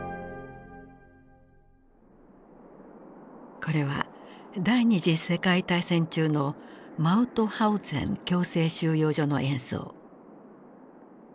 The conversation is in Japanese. これは第二次世界大戦中のマウトハウゼン強制収容所の映像。